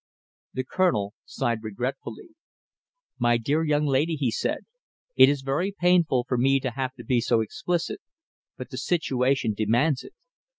The Colonel sighed regretfully. "My dear young lady," he said, "it is very painful for me to have to be so explicit, but the situation demands it.